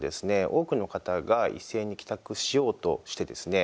多くの方が一斉に帰宅しようとしてですね。